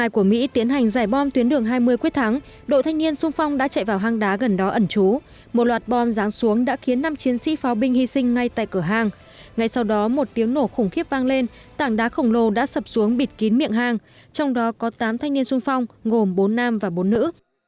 cuối tháng đội thanh niên sung phong đã chạy vào hang đá gần đó ẩn trú một loạt bom ráng xuống đã khiến năm chiến sĩ pháo binh hy sinh ngay tại cửa hang ngay sau đó một tiếng nổ khủng khiếp vang lên tảng đá khổng lồ đã sập xuống bịt kín miệng hang trong đó có tám thanh niên sung phong gồm bốn nam và bốn nữ